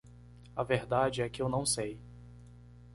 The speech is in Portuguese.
A verdade é que eu não sei.